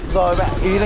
rồi tính sau